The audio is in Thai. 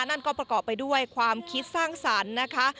นั่นก็ประกอบไปด้วยความคิดสร้างสรรค์นะคะ